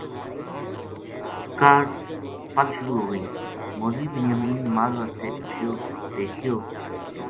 کاہڈ پل شروع ہو گئی مولوی بنیامین نماز واسطے اُٹھیو دیکھیو